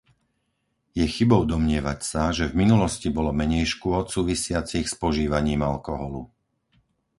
Je chybou domnievať sa, že v minulosti bolo menej škôd súvisiacich s požívaním alkoholu.